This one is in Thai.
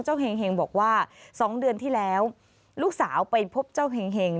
เห็งบอกว่า๒เดือนที่แล้วลูกสาวไปพบเจ้าเห็ง